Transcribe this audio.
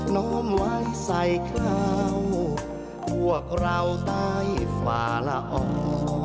น้อมไว้ใส่คราวพวกเราตายฝ่าละอองค์